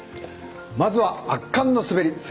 まずは、圧巻の滑り。